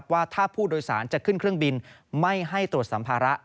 ว่าถ้าผู้โดยสารจะขึ้นเครื่องบินไม่ให้ตรวจสัมภาระ